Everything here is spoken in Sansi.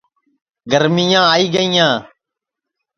گرمِِیاں آئی گِیاں